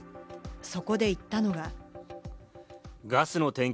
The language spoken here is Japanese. そこで言ったのが。